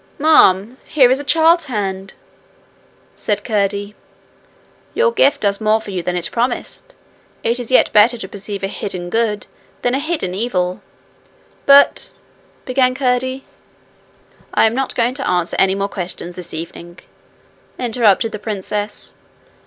'Ma'am, here is a child's hand!' said Curdie. 'Your gift does more for you than it promised. It is yet better to perceive a hidden good than a hidden evil.' 'But,' began Curdie. 'I am not going to answer any more questions this evening,' interrupted the princess.